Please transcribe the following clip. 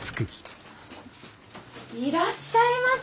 いらっしゃいませ。